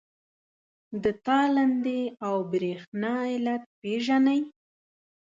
د تالندې او برېښنا علت پیژنئ؟